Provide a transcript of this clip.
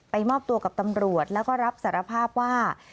มอบตัวกับตำรวจแล้วก็รับสารภาพว่า